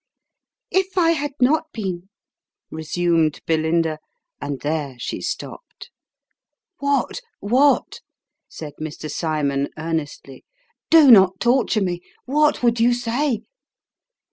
" If I had not been " resumed Belinda ; and there she stopped. " What what ?" said Mr. Cymon earnestly. " Do not torture me. What would you say